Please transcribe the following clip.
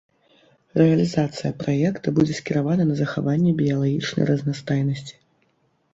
Рэалізацыя праекта будзе скіравана на захаванне біялагічнай разнастайнасці.